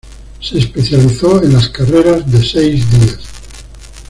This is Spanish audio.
Se especializó en las carreras de seis días.